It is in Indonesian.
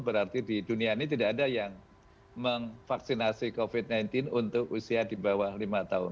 berarti di dunia ini tidak ada yang memvaksinasi covid sembilan belas untuk usia di bawah lima tahun